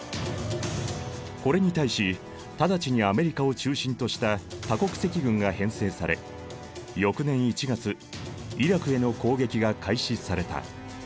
これに対し直ちにアメリカを中心とした多国籍軍が編成され翌年１月イラクへの攻撃が開始された。